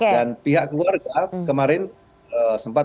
pihak keluarga kemarin sempat